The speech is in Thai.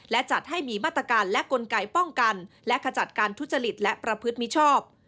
และจัดให้มีมาตรการและกลไกป้องกันและขจัดการทุจริตและประพฤติมิชชอบ